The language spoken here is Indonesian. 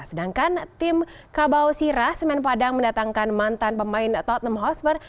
sedangkan tim kabau sira semen padang mendatangkan mantan pemain tottenham hosper